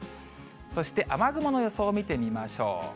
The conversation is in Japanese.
そして雨雲の予想を見てみましょう。